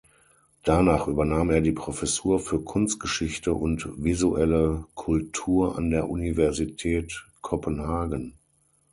Danach übernahm er die Professur für Kunstgeschichte und Visuelle Kultur an der Universität Kopenhagen.